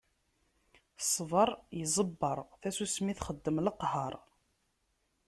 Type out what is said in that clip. Ṣṣbeṛ iẓebber, tasusmi txeddem leqheṛ.